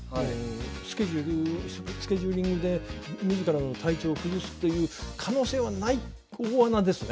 スケジュールスケジューリングで自らの体調を崩すという可能性はない大穴。